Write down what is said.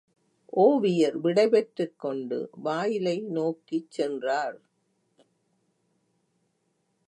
ஒவியர் விடைபெற்றுக் கொண்டு வாயிலை நோக்கிச் சென்றார்.